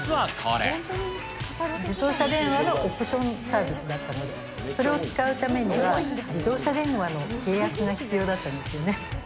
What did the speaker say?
自動車のオプションサービスだったので、それを使うためには、自動車電話の契約が必要だったんですよね。